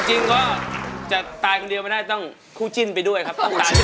จริงก็จะตายคนเดียวไม่ได้ต้องคู่จิ้นไปด้วยครับต้องตายด้วย